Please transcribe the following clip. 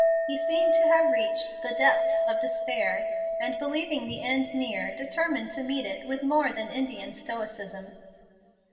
He seemed to have reached the depths of despair, and, believing the end near, determined to meet it with more than Indian stoicism.